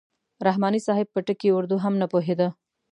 رحماني صاحب په ټکي اردو هم نه پوهېده.